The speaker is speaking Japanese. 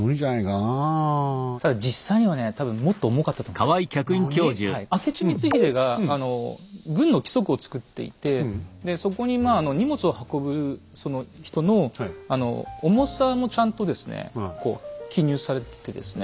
なに⁉明智光秀が軍の規則を作っていてそこに荷物を運ぶ人の重さもちゃんとですね記入されててですね